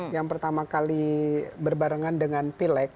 yang pertama kali berbarengan dengan pileg